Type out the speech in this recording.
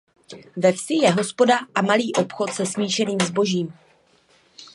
Ve vsi je hospoda a malý obchod se smíšeným zbožím.